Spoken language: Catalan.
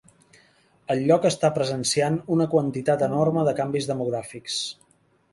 El lloc està presenciant una quantitat enorme de canvis demogràfics.